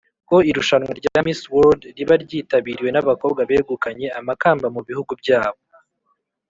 ko irushwanwa rya miss world riba ryitabiriwe n'abakobwa begukanye amakamba mu bihugu byabo